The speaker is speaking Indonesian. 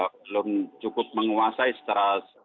belum cukup menguasai secara